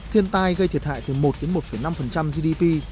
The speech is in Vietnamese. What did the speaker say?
thiên tai gây thiệt hại từ một đến một năm gdp